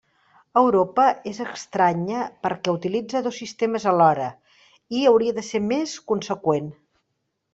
Europa és estranya perquè utilitza dos sistemes alhora, i hauria de ser més conseqüent.